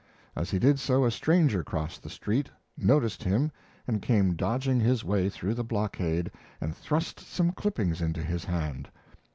As he did so a stranger crossed the street, noticed him, and came dodging his way through the blockade and thrust some clippings into his hand.